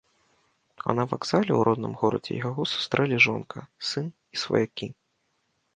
А на вакзале ў родным горадзе яго сустрэлі жонка, сын і сваякі.